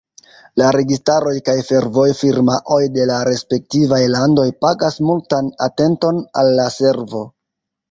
La registaroj kaj fervojo-firmaoj de la respektivaj landoj pagas multan atenton al la servo.